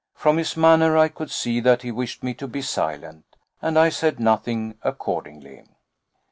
From his manner I could see that he wished me to be silent, and I said nothing accordingly.